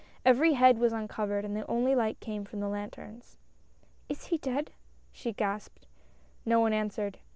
Every head was uncovered, and the only light came from the lanterns. BEFORE DAWN. 59 "Is he dead?" she gasped. No one answered.